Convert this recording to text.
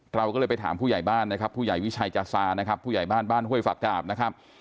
เราก็เลยไปถามผู้ใหญ่บ้านนะครับผู้ใหญ่วิชัยจาซานะครับผู้ใหญ่บ้านบ้านห้วยฝักดาบนะครับ